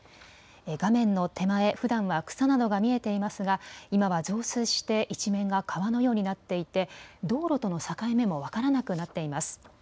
画面の手前、ふだんは草などが見えていますが今は増水して一面が川のようになっていて道路との境目も分からなくなっています。